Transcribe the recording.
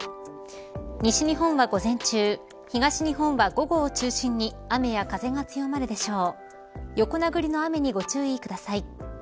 西日本は午前中東日本は午後を中心に雨や風が強まるでしょう。